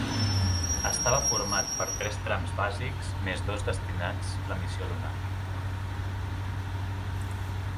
Estava format per tres trams bàsics més dos destinats la missió lunar.